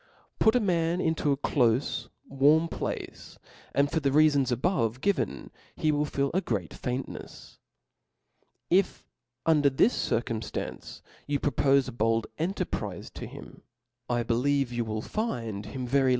Put a man into a clofe warm place, and for the reafons a* bove given, he will feel a great faintnefs. If under this circumftancc you propofe a bold en terprize to him, I believe you will find him very